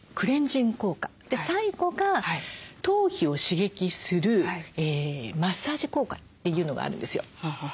最後が頭皮を刺激するマッサージ効果というのがあるんですよ。